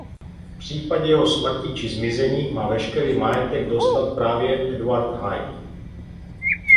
V případě jeho smrti či zmizení má veškerý majetek dostat právě Edward Hyde.